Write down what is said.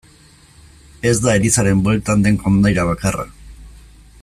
Ez da elizaren bueltan den kondaira bakarra.